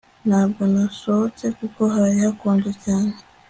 Ntabwo nasohotse kuko hari hakonje cyane